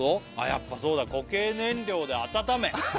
やっぱそうだ「固形燃料で温め」